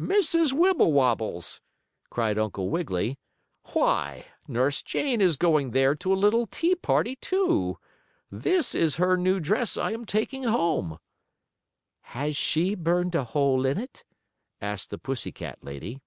"Mrs. Wibblewobble's!" cried Uncle Wiggily. "Why, Nurse Jane is going there to a little tea party, too! This is her new dress I am taking home." "Has she burned a hole in it?" asked the pussy cat lady.